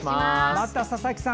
また佐々木さん